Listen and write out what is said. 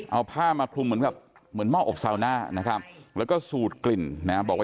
เอาผ้ามาคลุมเหมือนเมาะอบซาวนาแล้วก็ซูดกลิ่นบอกว่า